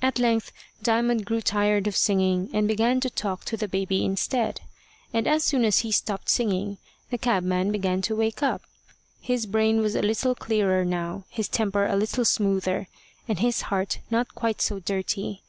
At length Diamond grew tired of singing, and began to talk to the baby instead. And as soon as he stopped singing, the cabman began to wake up. His brain was a little clearer now, his temper a little smoother, and his heart not quite so dirty.